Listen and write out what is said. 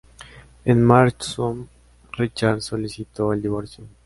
En marzo, Richards solicitó el divorcio.